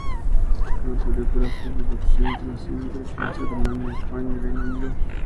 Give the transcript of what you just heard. La película es una coproducción internacional entre Francia, Alemania, España y Reino Unido.